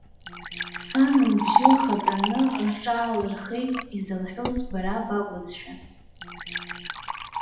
Сан лыбжьы лхаҵаны рҿаалырхеит изалҳәоз бара бакәызшәа.